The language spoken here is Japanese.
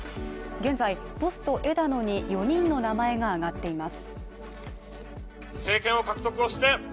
現在、ポスト枝野に４人の名前が挙がっています。